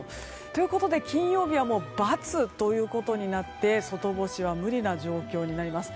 ということで金曜日はバツということになって外干しは無理な状況になります。